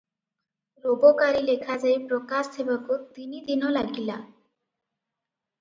ରୋବକାରୀ ଲେଖାଯାଇ ପ୍ରକାଶ ହେବାକୁ ତିନିଦିନ ଲାଗିଲା ।